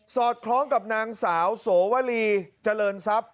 อดคล้องกับนางสาวโสวรีเจริญทรัพย์